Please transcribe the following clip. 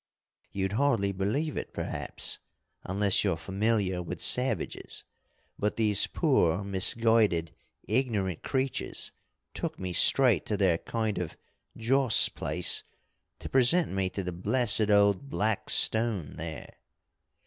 "You'd hardly believe it, perhaps, unless you're familiar with savages, but these poor misguided, ignorant creatures took me straight to their kind of joss place to present me to the blessed old black stone there.